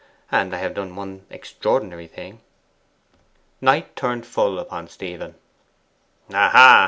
And I have done one extraordinary thing.' Knight turned full upon Stephen. 'Ah ha!